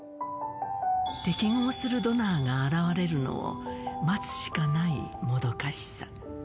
適合するドナーが現れるのを待つしかないもどかしさ。